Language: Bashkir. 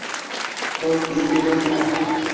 Был тиҙ туҙасаҡ